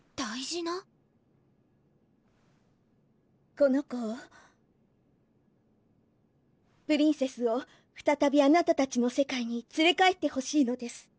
この子をプリンセスをふたたびあなたたちの世界につれ帰ってほしいのです